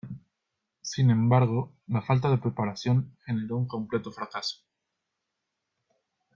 Sin embargo, la falta de preparación generó un completo fracaso.